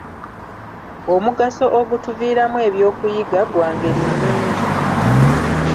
Omugaso ogutuviiramu ebyokuyiga gwa ngeri nnyingi.